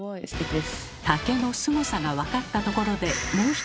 竹のすごさが分かったところでもう一つ。